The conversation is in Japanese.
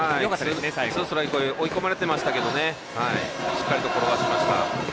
ツーストライクと追い込まれてましたけどしっかりと転がしました。